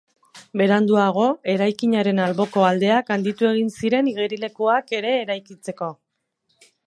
Beranduago, eraikinaren alboko aldeak handitu egin ziren igerilekuak ere eraikitzeko.